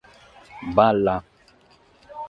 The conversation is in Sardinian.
Balla!